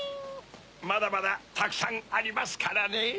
まだまだたくさんありますからね。